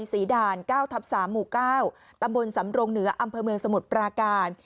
ด่าน๙ทับ๓หมู่๙ตำบลสำรงเหนืออำเภอเมืองสมุทรปราการ